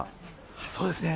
そうですね。